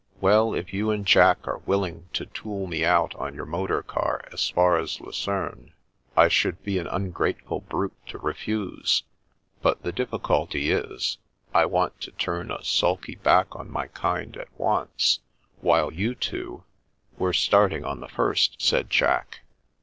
" Well, if you and Jack are will ing to tool me out on your motor car as far as Lu* ceme, I should be an ungrateful brute to refuse. But the difficulty is, I want to turn a sulky back on my kind at once, while you two "" We're starting on the first," said Jack.